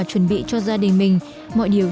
chuẩn bị cho gia đình mình mọi điều